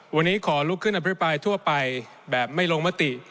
วันนี้ขอลุกขึ้นอภิปรายทั่วไปแบบไม่ลงมติ